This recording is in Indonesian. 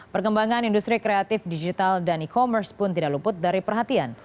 perkembangan industri kreatif digital dan e commerce pun tidak luput dari perhatian